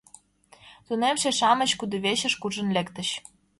Тунемше-шамыч кудывечыш куржын лектыч.